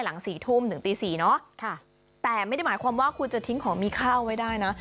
สี่ทุ่มถึงตีสี่เนอะค่ะแต่ไม่ได้หมายความว่าคุณจะทิ้งของมีข้าวไว้ได้นะ